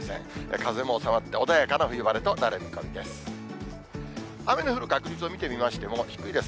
風も収まって穏やかな冬晴れとなる見込みです。